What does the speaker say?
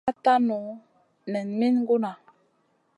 Iyran ka tanu nen min gunna.